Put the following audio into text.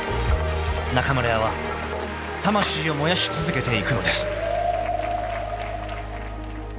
［中村屋は魂を燃やし続けていくのです］